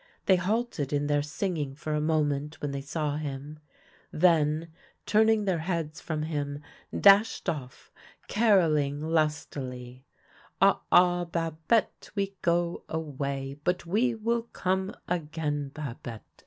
They halted in their singing for a moment when they saw him ; then, turning their heads from him, dashed off, carolling lustily : "Ah, ah, Babette, We go away ; But we will come Again, Babette.